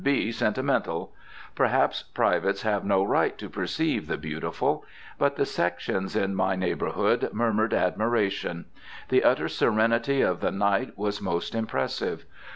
Be sentimental!" Perhaps privates have no right to perceive the beautiful. But the sections in my neighborhood murmured admiration. The utter serenity of the night was most impressive.